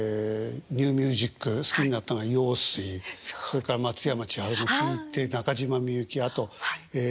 ニューミュージック好きになったのは陽水それから松山千春も聴いて中島みゆきあとええ